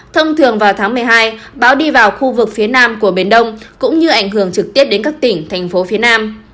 thông thường vào tháng một mươi hai bão đi vào khu vực phía nam của biển đông cũng như ảnh hưởng trực tiếp đến các tỉnh thành phố phía nam